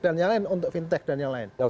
dan yang lain untuk fintech dan yang lain